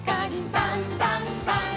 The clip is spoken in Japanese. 「さんさんさん」